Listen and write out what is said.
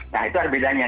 nah itu ada bedanya